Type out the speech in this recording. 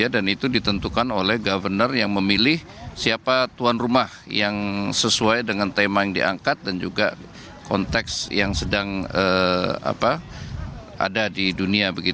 dan itu ditentukan oleh governor yang memilih siapa tuan rumah yang sesuai dengan tema yang diangkat dan juga konteks yang sedang ada di dunia